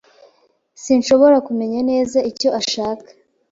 Sinshobora kumenya neza icyo ashaka.